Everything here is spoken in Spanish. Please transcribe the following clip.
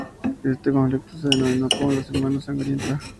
Este conflicto se denominó como ""La Semana Sangrienta"".